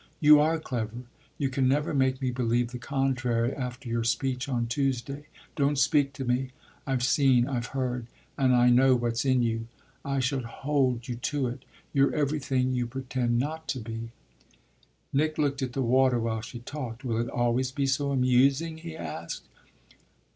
You are clever: you can never make me believe the contrary after your speech on Tuesday, Don't speak to me! I've seen, I've heard, and I know what's in you. I shall hold you to it. You're everything you pretend not to be." Nick looked at the water while she talked. "Will it always be so amusing?" he asked.